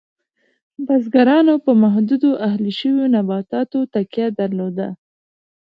بزګرانو په محدودو اهلي شویو نباتاتو تکیه درلود.